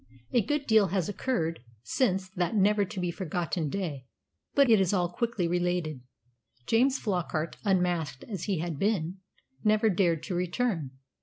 A good deal has occurred since that never to be forgotten day, but it is all quickly related. James Flockart, unmasked as he has been, never dared to return.